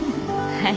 はい。